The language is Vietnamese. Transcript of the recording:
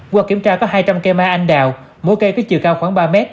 qua kiểm tra có hai trăm linh cây ma anh đào mỗi cây có chiều cao khoảng ba m